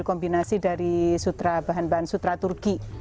kombinasi dari bahan bahan sutra turki